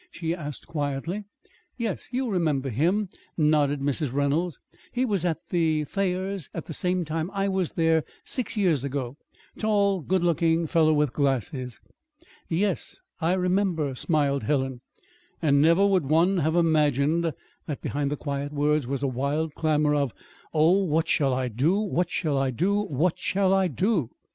she asked quietly. "Yes. You remember him," nodded Mrs. Reynolds. "He was at the Thayers' at the same time I was there six years ago tall, good looking fellow with glasses." "Yes, I remember," smiled Helen. And never would one have imagined that behind the quiet words was a wild clamor of "Oh, what shall I do what shall I do what shall I do?"